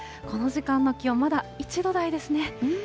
この時間の気温、まだ１度台ですね。